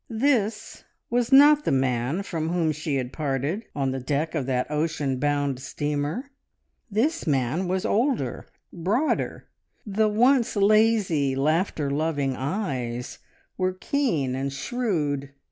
This was not the man from whom she had parted on the deck of that ocean bound steamer! This man was older, broader; the once lazy, laughter loving eyes were keen and shrewd.